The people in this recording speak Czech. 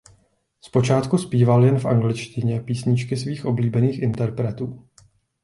Zpočátku zpíval jen v angličtině písničky svých oblíbených interpretů.